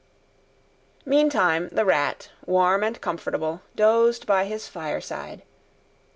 Meantime the Rat, warm and comfortable, dozed by his fireside.